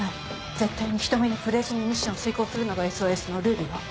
絶対に人目に触れずにミッションを遂行するのが「ＳＯＳ」のルールよ。